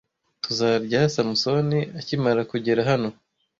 Tuzarya Samusoni akimara kugera hano.